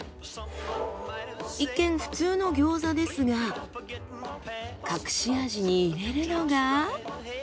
一見普通の餃子ですが隠し味に入れるのが。